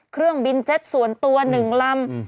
เครื่องบินเจ็ตส่วนตัว๑ลำ